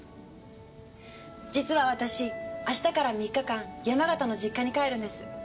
実は私明日から３日間山形の実家に帰るんです。